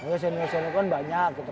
lo senior senior kan banyak gitu